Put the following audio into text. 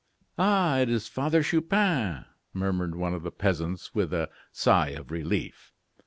"Ah! it is Father Chupin," murmured one of the peasants with a sigh of relief.